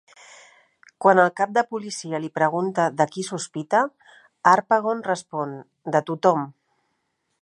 Quan el cap de policia li pregunta de qui sospita, Harpagon respon: "De tothom!".